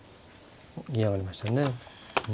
銀上がりましたね。